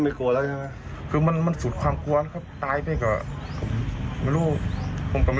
ถ้าหนูกลับไปอยู่ที่บ้านเขาก็จะมาจุดประทัด